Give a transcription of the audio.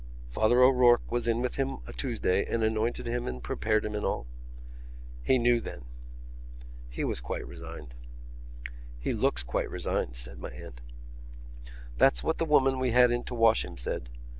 "Father O'Rourke was in with him a Tuesday and anointed him and prepared him and all." "He knew then?" "He was quite resigned." "He looks quite resigned," said my aunt. "That's what the woman we had in to wash him said.